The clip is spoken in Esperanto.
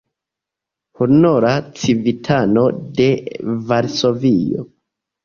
Honora civitano de Varsovio.